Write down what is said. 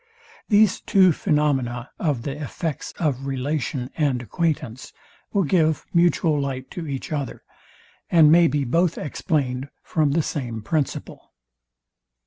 These two phaenomena of the effects of relation and acquaintance will give mutual light to each other, and may be both explained from the same principle.